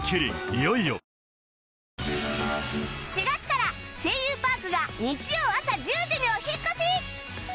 ４月から『声優パーク』が日曜あさ１０時にお引っ越し